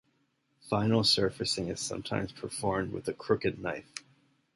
Final surfacing is sometimes performed with a crooked knife.